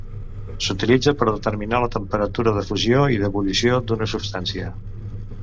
S'utilitza per determinar la temperatura de fusió i d'ebullició d'una substància.